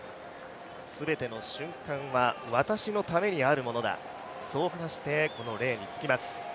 全ての瞬間は私のためにあるものだ、そう話して、このレーンにつきます